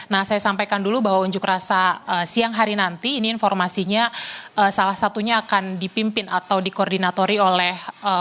nah saya sampaikan dulu bahwa unjuk rasa siang hari nanti ini informasinya salah satunya akan dipimpin atau dikoordinatori oleh